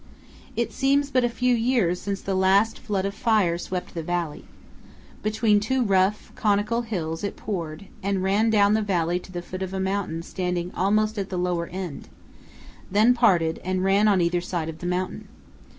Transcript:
It seems but a few years since the last flood of fire swept the valley. Between two rough, conical hills it poured, and ran down the valley to the foot of a mountain standing almost at the lower end, then parted, and ran on either side of the mountain.